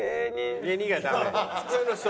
普通の人？